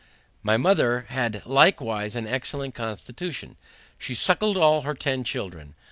My mother had likewise an excellent constitution: she suckled all her ten children.